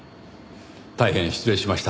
大変失礼しました。